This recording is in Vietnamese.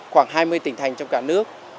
khoảng hai mươi tỉnh thành trong cả nước